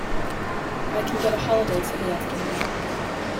I can get a holiday for the afternoon.